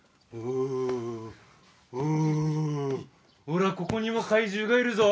ほらここにも怪獣がいるぞ。